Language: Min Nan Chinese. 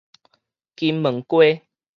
金門街